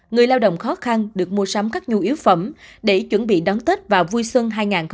người lao động khó khăn được mua sắm các nhu yếu phẩm để chuẩn bị đón tết và vui xuân hai nghìn hai mươi bốn